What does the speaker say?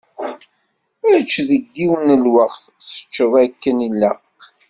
Ečč deg yiwen n lweqt, teččeḍ akken ilaq.